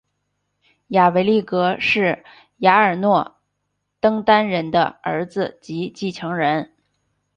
亚维力格是亚尔诺的登丹人的儿子及继承人。